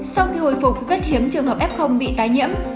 sau khi hồi phục rất hiếm trường hợp f bị tái nhiễm